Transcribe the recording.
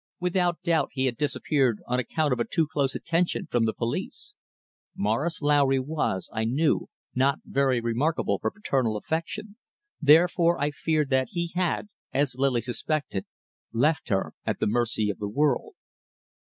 Without doubt he had disappeared on account of a too close attention from the police. Morris Lowry was, I knew, not very remarkable for paternal affection, therefore I feared that he had, as Lily suspected, left her at the mercy of the world.